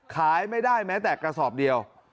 ขายไม่ได้แม้แต่กระสอบเดียว